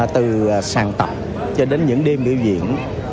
từ sàn tập cho đến những đêm biểu diễn